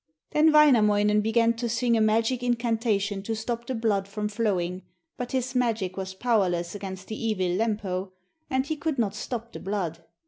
Then Wainamoinen began to sing a magic incantation to stop the blood from flowing, but his magic was powerless against the evil Lempo, and he could not stop the blood.